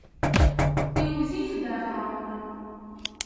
Iwwet-it baɣa.